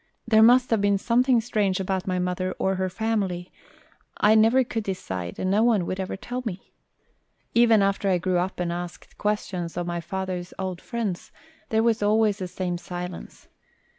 There must have been something strange about my mother or her family; I never could decide and no one would ever tell me. Even after I grew up and asked questions of my father's old friends there was always the same silence.